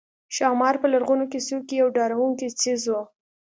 ښامار په لرغونو قصو کې یو ډارونکی څېز وو